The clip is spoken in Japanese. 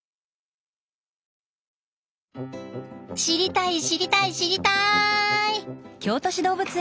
知りたい知りたい知りたい！